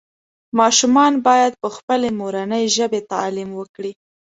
ماشومان باید پخپلې مورنۍ ژبې تعلیم وکړي